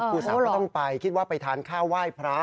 ครูสาวก็ต้องไปคิดว่าไปทานข้าวไหว้พระ